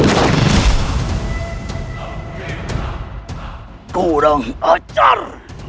hai orang acar